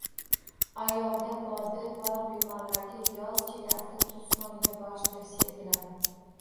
Oyog‘ida bodi bor bemorlarga yoz chillasida tuz koniga borish tavsiya etiladi.